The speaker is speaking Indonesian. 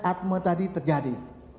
atma tadi terjadi